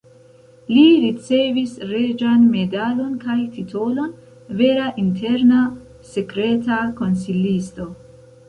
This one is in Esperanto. Li ricevis reĝan medalon kaj titolon "vera interna sekreta konsilisto".